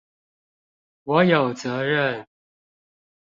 我有責任